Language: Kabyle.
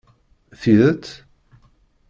Tidet?